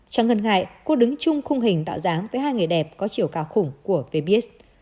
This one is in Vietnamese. chẳng ngân ngại cô đứng chung khung hình tạo dáng với hai người đẹp có chiều cao khủng của vebis